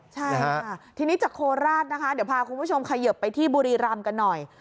ใช่ค่ะทีนี้จากโคราชนะคะเดี๋ยวพาคุณผู้ชมเขยิบไปที่บุรีรำกันหน่อย